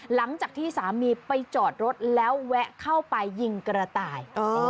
หลังจากที่สามีไปจอดรถแล้วแวะเข้าไปยิงกระต่าย